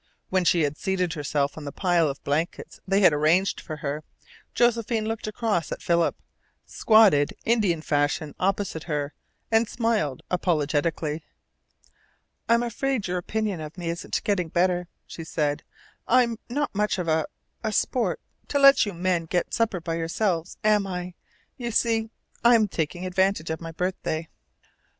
When she had seated herself on the pile of blankets they had arranged for her, Josephine looked across at Philip, squatted Indian fashion opposite her, and smiled apologetically. "I'm afraid your opinion of me isn't getting better," she said. "I'm not much of a a sport to let you men get supper by yourselves, am I? You see I'm taking advantage of my birthday."